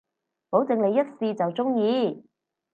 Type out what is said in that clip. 保證你一試就中意